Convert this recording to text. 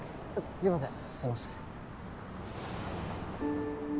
すいません。